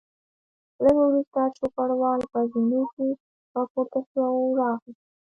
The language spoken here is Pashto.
لږ وروسته چوپړوال په زینو کې راپورته شو او راغی.